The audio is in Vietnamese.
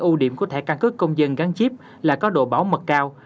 ưu điểm của thẻ căn cước công dân gắn chip là có độ bảo mật cao